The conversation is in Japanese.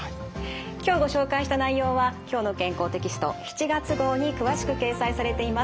今日ご紹介した内容は「きょうの健康」テキスト７月号に詳しく掲載されています。